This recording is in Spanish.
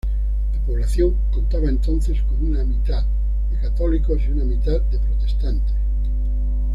La población contaba entonces con une mitad de católicos y una mitad de protestantes.